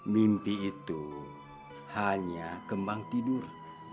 mimpi itu hanya kembang tidur